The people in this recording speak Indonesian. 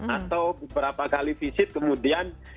atau beberapa kali visit kemudian